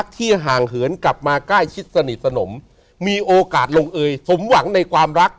ที่ห่างเหินกลับมาใกล้ชิดสนิทสนมมีโอกาสลงเอยสมหวังในความรัก